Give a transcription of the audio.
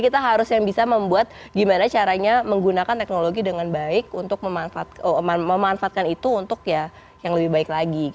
jadi kita harus yang bisa membuat gimana caranya menggunakan teknologi dengan baik untuk memanfaatkan itu untuk yang lebih baik lagi